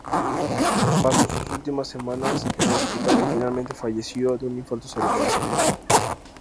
Pasó sus últimas semanas en el hospital y finalmente falleció de un infarto cerebral.